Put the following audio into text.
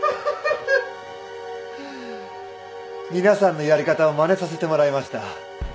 皆さんのやり方をまねさせてもらいました。